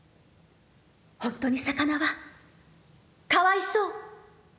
ほんとに魚はかわいそう」。